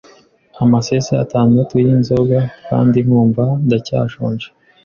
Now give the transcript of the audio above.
ama caisse atandatu y’inzoga kandi nkumva ndacyashonje